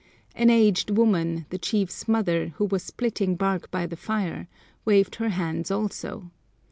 An aged woman, the chief's mother, who was splitting bark by the fire, waved her hands also.